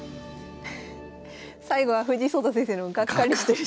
最後は藤井聡太先生のがっかりしてる。